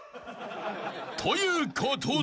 ［ということで］